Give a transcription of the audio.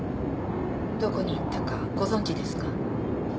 どこに行ったかご存じですか？